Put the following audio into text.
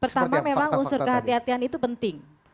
pertama memang unsur kehatian kehatian itu penting